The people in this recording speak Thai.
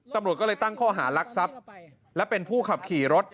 ตำรวจก็เลยตั้งข้อหารักทรัพย์และเป็นผู้ขับขี่รถ